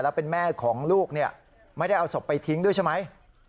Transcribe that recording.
แล้วเป็นแม่ของลูกไม่ได้เอาศพไปทิ้งด้วยใช่ไหม